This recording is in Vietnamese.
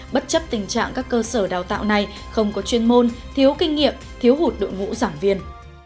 bất chấp tình trạng các cơ sở đào tạo này không có chuyên môn thiếu kinh nghiệm thiếu hụt đội ngũ giảng viên